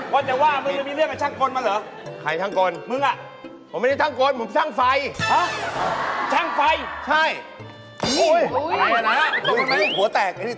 ว่าจะว่ามึงจะมีเรื่องกับช่างกลมาเหรอ